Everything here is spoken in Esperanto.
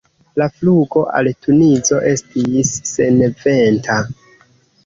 La flugo al Tunizo estis seneventa.